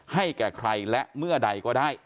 แก่ใครและเมื่อใดก็ได้